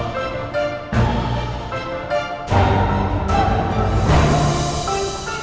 ternyata kamu orang yang